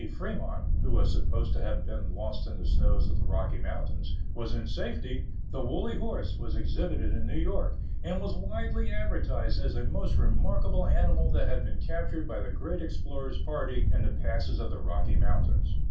Fremont (who was supposed to have been lost in the snows of the Rocky Mountains) was in safety, the "Woolly Horse" was exhibited in New York, and was widely advertised as a most remarkable animal that had been captured by the great explorer's party in the passes of the Rocky Mountains.